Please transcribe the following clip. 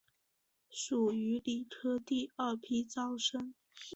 属于理科第二批招生。